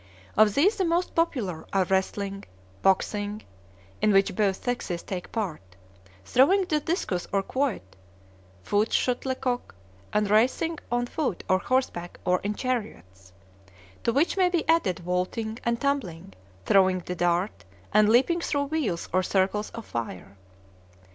Of these the most popular are wrestling, boxing (in which both sexes take part), throwing the discus or quoit, foot shuttlecock, and racing on foot or horseback or in chariots; to which may be added vaulting and tumbling, throwing the dart, and leaping through wheels or circles of fire.